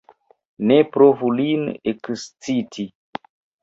Ne provu lin eksciti!